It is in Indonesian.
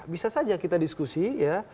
bisa saja kita diskusi ya